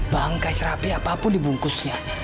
bangkai serapi apapun dibungkusnya